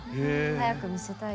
早く見せたい。